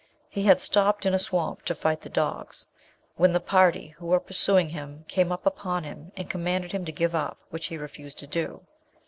He had stopped in a swamp to fight the dogs, when the party who were pursuing him came upon him, and commanded him to give up, which he refused to do.